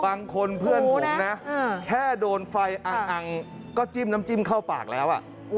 บางคนเพื่อนผมนะแค่โดนไฟอังก็จิ้มน้ำจิ้มเข้าปากแล้ว